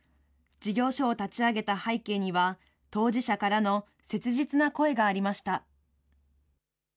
事業所を立ち上げた背景には、当事者からの切実な声がありました。